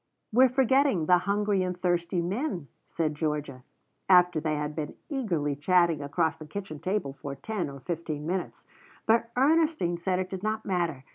"We're forgetting the hungry and thirsty men," said Georgia, after they had been eagerly chatting across the kitchen table for ten or fifteen minutes. But Ernestine said it did not matter.